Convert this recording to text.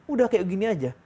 udah kayak gini aja